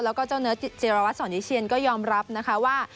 แล้วก็เจ้าเนิร์ดเจรวัตส์ส่วนยิเชียนก็ยอมรับนะคะว่า